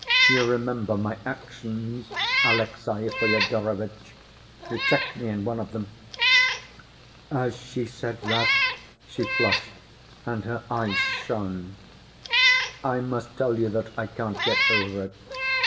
You remember my actions, Alexey Fyodorovitch; you checked me in one of them" ... (as she said that, she flushed and her eyes shone). "I must tell you that I can't get over it.